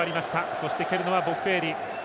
そして、蹴るのはボッフェーリ。